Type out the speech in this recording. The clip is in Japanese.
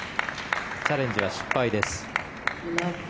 チャレンジは失敗です。